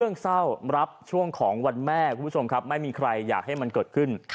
เรื่องเศร้ารับช่วงของวันแม่คุณผู้ชมครับไม่มีใครอยากให้มันเกิดขึ้น